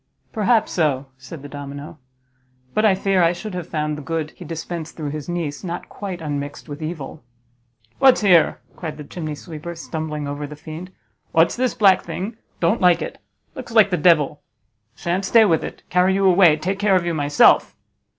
"Perhaps so," said the domino; "but I fear I should have found the good he dispensed through his niece not quite unmixed with evil!" "What's here?" cried the chimney sweeper, stumbling over the fiend, "what's this black thing? Don't like it; looks like the devil. You shan't stay with it; carry you away; take care of you myself."